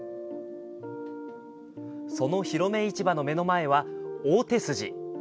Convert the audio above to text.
そのひろめ市場の目の前は追手筋。